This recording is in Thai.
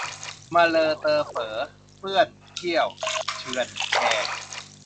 มะเลอเตอเป๋อเปื้อนเที่ยวเชือนแช